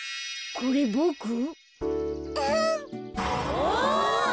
お！